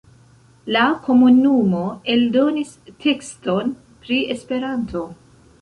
La komunumo eldonis tekston pri Esperanto.